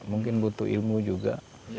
mungkin butuh ilmu juga